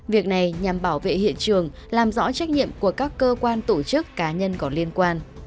việc này nhằm bảo vệ hiện trường làm rõ trách nhiệm của các cơ quan tổ chức cá nhân có liên quan